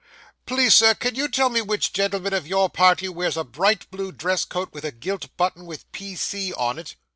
'Please, sir, can you tell me which gentleman of your party wears a bright blue dress coat, with a gilt button with "P. C." on it?